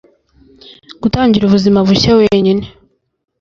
gutangira ubuzima bushya wenyine.